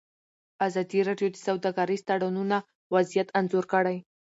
ازادي راډیو د سوداګریز تړونونه وضعیت انځور کړی.